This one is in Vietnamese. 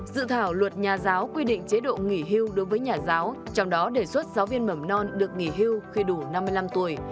dự thảo luật nhà giáo quy định chế độ nghỉ hưu đối với nhà giáo trong đó đề xuất giáo viên mầm non được nghỉ hưu khi đủ năm mươi năm tuổi